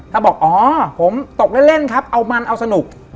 ถ้าบอกอ๋อผมตกเล่นครับเอามันเอาสนุก